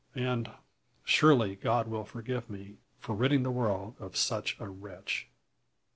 And surely God will forgive me, for ridding the world of such a wretch?"